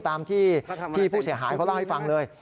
ตามที่พี่ผู้เสียหายเขาเล่าให้ฟังเลย